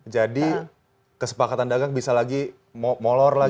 jadi kesepakatan dagang bisa lagi molor lagi